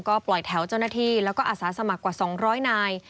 ก็ปล่อยแถวเจ้าหน้าที่แล้วก็อาสาสมัครกว่า๒๐๐นาย